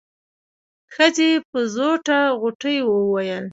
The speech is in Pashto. ښځې په زوټه غوټۍ وويل.